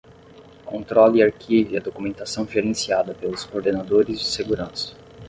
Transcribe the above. Controle e arquive a documentação gerenciada pelos coordenadores de segurança.